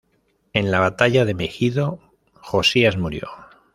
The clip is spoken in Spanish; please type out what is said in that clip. En la batalla de Megido Josías murió.